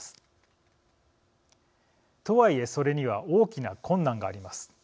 とはいえそれには大きな困難があります。